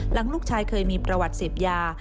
หลังลูกชายเคยมีประวัติเสพยา